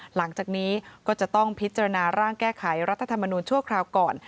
หลังจากนี้ก็จะต้องพิจารณาร่างแก้ไขรัฐธรรมนูญชั่วคราวก่อน